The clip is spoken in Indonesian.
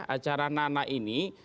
acara nana ini